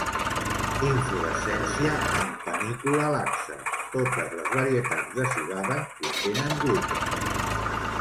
Inflorescència en panícula laxa. Totes les varietats de civada contenen gluten.